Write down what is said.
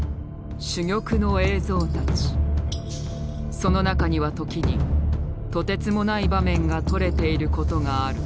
その中には時にとてつもない場面が撮れていることがある。